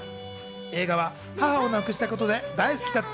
映画は母を亡くしたことで大好きだった